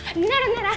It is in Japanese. なら